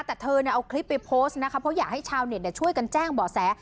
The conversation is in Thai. แต่เธอเอาคลิปไปโพสต์นะคะเพราะอยากให้ชาวเน็ตช่วยกันแจ้งบ่อแส